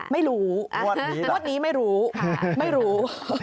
ไม่รู้งวดนี้ไม่รู้ไม่รู้